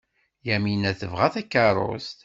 Yamina tebɣa takeṛṛust.